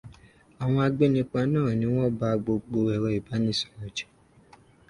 Àwọn agbénipa náà ni wọ́n ba gbogbo ẹ̀rọ ìbánisọ̀rọ̀ jẹ́